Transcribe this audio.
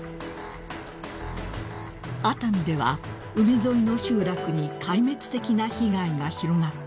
［熱海では海沿いの集落に壊滅的な被害が広がっていました］